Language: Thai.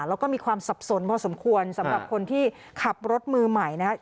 แล้วก็มีความสับสนพอสมควรสำหรับคนที่ขับรถมือใหม่นะครับ